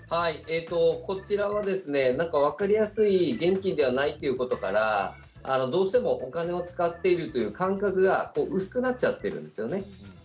こちらはですね分かりやすい現金ではないということから、どうしてもお金を使っているという感覚が薄くなっちゃっているんですね。